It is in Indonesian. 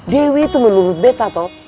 dewi itu menurut betta toh